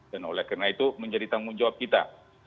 dan oleh karena itu menjadi tanggung jawab kita